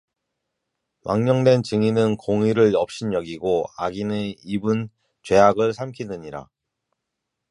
망령된 증인은 공의를 업신여기고 악인의 입은 죄악을 삼키느니라